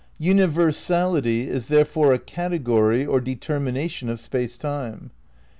"Universality is therefore a category or determination of Space Time.